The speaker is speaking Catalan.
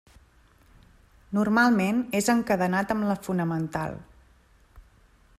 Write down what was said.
Normalment és encadenat amb la fonamental.